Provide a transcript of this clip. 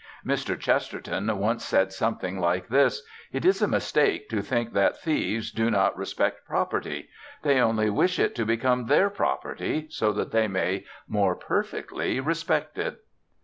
Mr. Chesterton once said something like this: "It is a mistake to think that thieves do not respect property. They only wish it to become their property, so that they may more perfectly respect it."